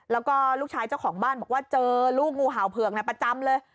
แล้วก็ลูกชายเจ้าของบ้านบอกว่าเจอลูกงูเห่าเผือกประจำเลย